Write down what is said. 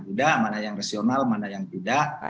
tidak mana yang rasional mana yang tidak